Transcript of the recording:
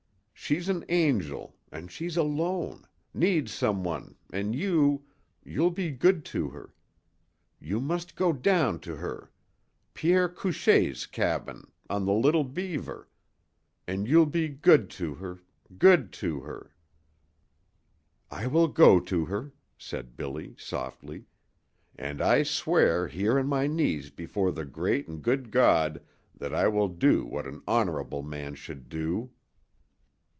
"She's an angel, and she's alone needs some one an' you you'll be good to her. You must go down to her Pierre Couchée's cabin on the Little Beaver. An' you'll be good to her good to her " "I will go to her," said Billy, softly. "And I swear here on my knees before the great and good God that I will do what an honorable man should do!"